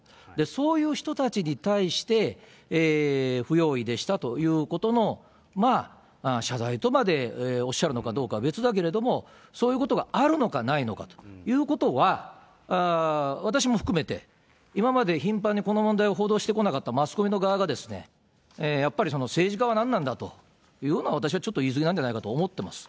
そういう人たちに対して不用意でしたということのまあ、謝罪とまでおっしゃるのかどうかは別だけれども、そういうことがあるのかないのかということは、私も含めて、今まで頻繁にこの問題を報道してこなかったマスコミの側が、やっぱり政治家は何なんだと言うのは私はちょっと言い過ぎなんじゃないかと思います。